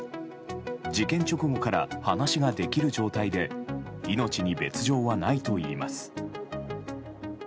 事件直後から話ができる状態で命に別条はないといいます。